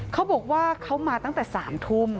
เขาบอกว่าเขามาตั้งแต่๓ทุ่ม